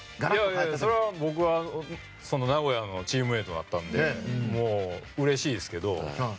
それは僕は名古屋のチームメートだったんでうれしいですけど。